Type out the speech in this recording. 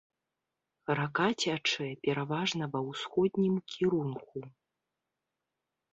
Рака цячэ пераважна ва ўсходнім кірунку.